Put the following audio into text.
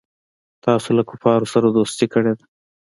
تاسو له کفارو سره دوستي کړې ده.